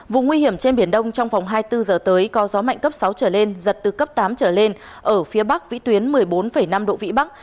vùng nguy hiểm trên biển đông trong vòng hai mươi bốn giờ tới có gió mạnh cấp sáu trở lên giật từ cấp tám trở lên ở phía bắc vĩ tuyến một mươi bốn năm độ vĩ bắc